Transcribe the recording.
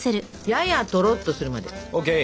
ややとろっとするまで。ＯＫ。